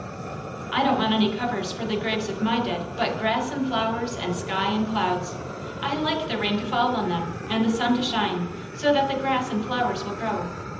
"I don't want any cover for the graves of my dead but grass and flowers, and sky and clouds. I like the rain to fall on them, and the sun to shine, so that the grass and flowers will grow.